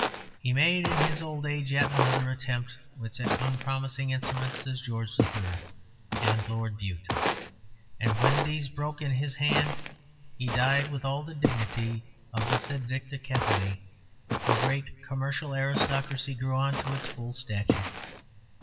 He made in his old age yet another attempt, with such unpromising instruments as George III. and Lord Bute; and when these broke in his hand he died with all the dignity of the sed victa Catoni. The great commercial aristocracy grew on to its full stature.